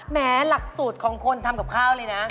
แม้หลักสูตรของคนทำกับข้าวเลยนะ